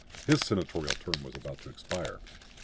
His senatorial term was about to expire.